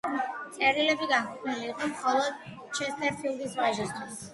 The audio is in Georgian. წერილები განკუთვნილი იყო მხოლოდ ჩესტერფილდის ვაჟისთვის.